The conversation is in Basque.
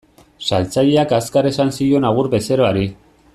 Saltzaileak azkar esan zion agur bezeroari.